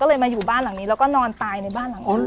ก็เลยมาอยู่บ้านหลังนี้แล้วก็นอนตายในบ้านหลังนี้